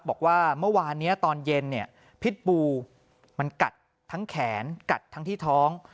บอกว่าเมื่อวานนี้ตอนเย็นเนี่ยพิษบูมันกัดทั้งแขนกัดทั้งที่ท้อง